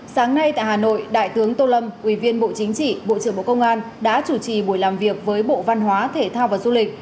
sáng nay tại hà nội đại tướng tô lâm ủy viên bộ chính trị bộ trưởng bộ công an đã chủ trì buổi làm việc với bộ văn hóa thể thao và du lịch